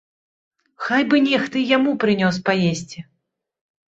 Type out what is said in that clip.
Хай бы нехта і яму прынёс паесці.